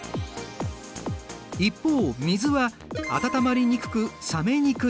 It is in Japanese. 一方水は温まりにくく冷めにくい。